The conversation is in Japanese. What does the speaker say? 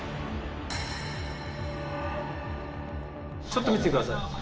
ちょっと見てて下さい。